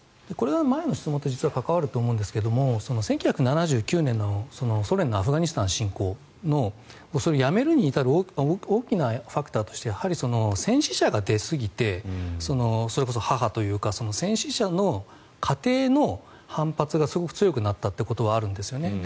これは前の質問と関わると思いますが１９７９年のソ連のアフガニスタン侵攻のやめるに至る大きなファクターとして戦死者が出すぎてそれこそ母というか戦死者の家庭の反発がすごく強くなったということはあるんです。